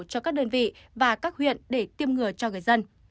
cho các đơn vị và các huyện để tiêm ngừa cho người dân